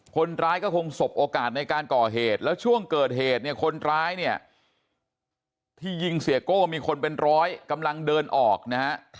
คนร้ายก็คงสบโอกาสในการก่อเหตุแล้วช่วงเกิดเหตุเนี่ยคนร้ายเนี่ยที่ยิงเสียโก้มีคนเป็นร้อยกำลังเดินออกนะฮะ